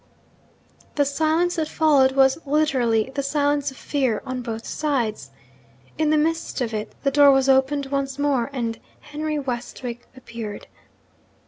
The silence that followed was, literally, the silence of fear on both sides. In the midst of it, the door was opened once more and Henry Westwick appeared.